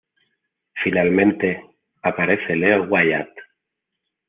Finalmente, aparece Leo Wyatt...